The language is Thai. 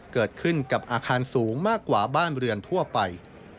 เกิดขึ้นกับอาคารสูงมากกว่าบ้านเรือนทั่วไป